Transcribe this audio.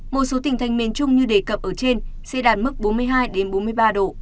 một số tỉnh thành miền trung như đề cập ở trên sẽ đạt mức bốn mươi hai bốn mươi ba độ